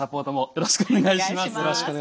よろしくお願いします。